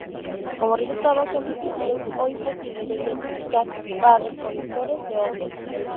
Como resultado, son difíciles o imposibles de identificar para recolectores de hongos.